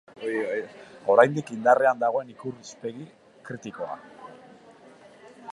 Oraindik indarrean dagoen ikuspegi kritikoa.